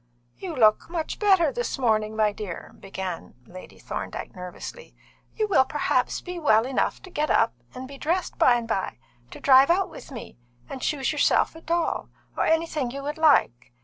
"You look much better this morning, my dear," began Lady Thorndyke nervously. "You will perhaps be well enough to get up and be dressed by and by, to drive out with me, and choose yourself a doll, or anything you would like.